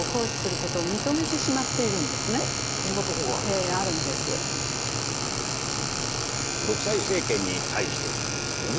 そんなとこがあるんですか。